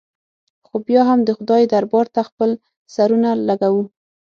خو بیا هم د خدای دربار ته خپل سرونه لږوو.